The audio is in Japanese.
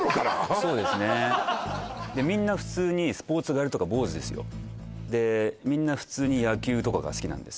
そうですねみんな普通にスポーツ刈りとか坊主ですよでみんな普通に野球とかが好きなんです